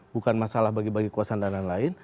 bukan masalah bagi bagi kekuasaan dan lain lain